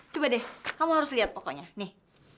coba deh kamu harus lihat pokoknya nih